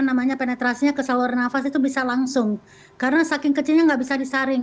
dan itu tadi daya penetrasinya ke saluran nafas itu bisa langsung karena saking kecilnya tidak bisa disaring